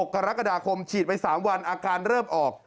กรกฎาคมฉีดไป๓วันอาการเริ่มออก